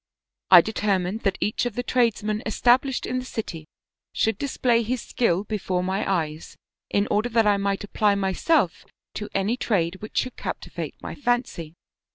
I determined that each of the tradesmen established in the city should display his skill before my eyes in order that I might apply myself to any trade which should captivate my fancy.